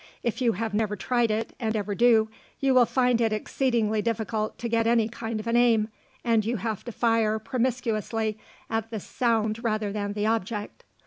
If you have never tried it, and ever do, you will find it exceedingly difficult to get any kind of an aim, and you have to fire promiscuously at the sound rather than the object.